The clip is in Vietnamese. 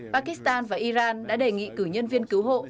pakistan và iran đã đề nghị cử nhân viên cứu hộ